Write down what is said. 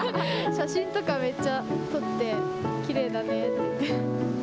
写真とかめっちゃ撮って、きれいだねって。